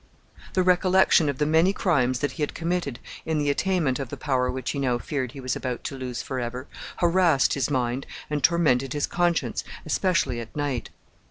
The recollection of the many crimes that he had committed in the attainment of the power which he now feared he was about to lose forever, harassed his mind and tormented his conscience, especially at night.